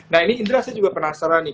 nah ini indra saya juga penasaran nih